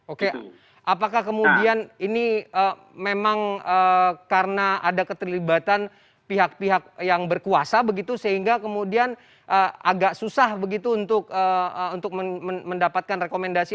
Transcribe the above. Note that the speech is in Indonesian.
oke apakah kemudian ini memang karena ada keterlibatan pihak pihak yang berkuasa begitu sehingga kemudian agak susah begitu untuk mendapatkan rekomendasi